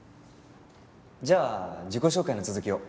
じゃあ自己紹介の続きを。